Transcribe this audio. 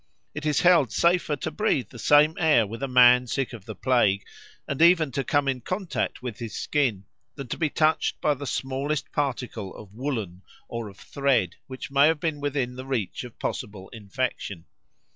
It is held safer to breathe the same air with a man sick of the plague, and even to come in contact with his skin, than to be touched by the smallest particle of woollen or of thread which may have been within the reach of possible infection.